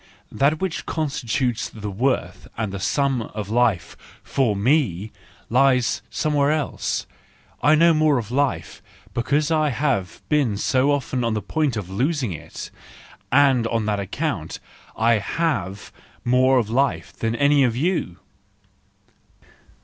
That which con¬ stitutes the worth and the sum of life for me , lies somewhere else; I know more of life, because I have been so often on the point of losing it; and just on that account I have more of life than any of you!"